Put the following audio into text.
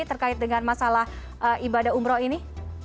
terkait dengan masalah ibadah umroh ini